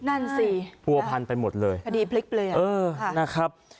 นั่นสิพันธุ์ไปหมดเลยนะครับพอดีพลิกเปลือก